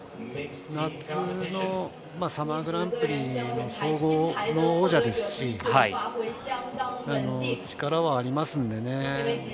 夏のサマーグランプリの総合の王者ですし力はありますのでね。